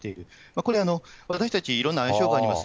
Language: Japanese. これ、私たちいろんな相性があります。